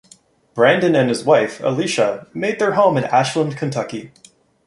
Brandon and his wife, Alicia, make their home in Ashland, Kentucky.